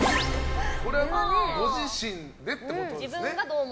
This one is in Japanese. これご自身でってことですね。